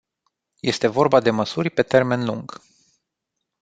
Este vorba de măsuri pe termen lung.